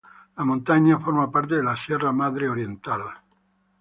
La montaña forma parte de la Sierra Madre Oriental.